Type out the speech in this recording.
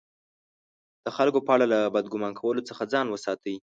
د خلکو په اړه له بد ګمان کولو څخه ځان وساتئ!